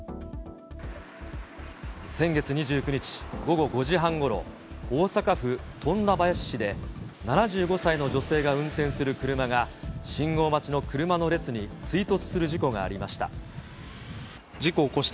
先月２９日午後５時半ごろ、大阪府富田林市で、７５歳の女性が運転する車が、信号待ちの車の列に追突する事故がありました。